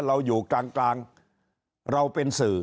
เราอยู่กลางเราเป็นสื่อ